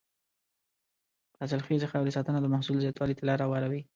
د حاصلخیزې خاورې ساتنه د محصول زیاتوالي ته لاره هواروي.